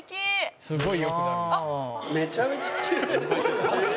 「すごい良くなる」